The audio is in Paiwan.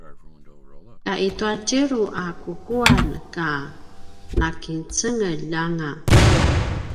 ka i tua tjelu a kukuan ka nakincengeljanga